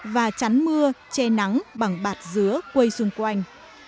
và chắn mưa che nắng bằng bạt dứa quây xung quanh